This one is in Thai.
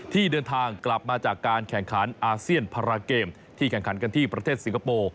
ที่เดินทางกลับมาจากการแข่งขันอาเซียนพาราเกมที่แข่งขันกันที่ประเทศสิงคโปร์